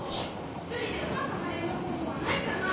ひとりでうまくはれるほうほうはないかな？